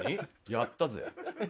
やったぜ。